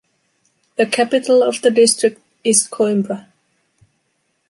The capital of the district is Coimbra.